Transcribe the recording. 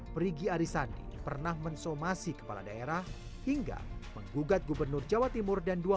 perigi arisandi pernah mensomasi kepala daerah hingga menggugat gubernur jawa timur dan dua